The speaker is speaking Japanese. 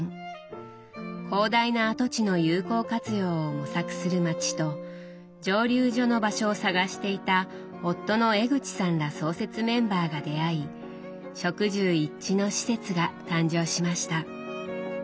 広大な跡地の有効活用を模索する町と蒸留所の場所を探していた夫の江口さんら創設メンバーが出会い職住一致の施設が誕生しました。